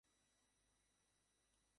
ইউনিটগণ, পিছিয়ে যান।